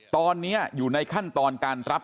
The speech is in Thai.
ตอนนี้อยู่ในขั้นตอนการรับ